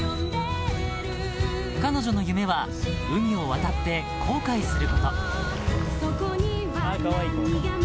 ［彼女の夢は海を渡って航海すること］